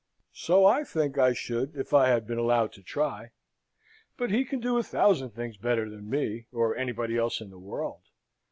"So I think I should, if I had been allowed to try. But he can do a thousand things better than me, or anybody else in the world.